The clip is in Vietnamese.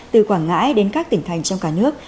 từ quảng ngãi đến các tỉnh thành trong cả nước